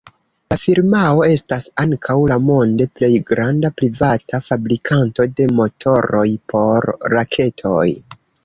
La firmao estas ankaŭ la monde plej granda privata fabrikanto de motoroj por raketoj.